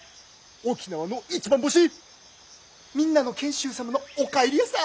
沖縄の一番星みんなの賢秀様のお帰りヤサ！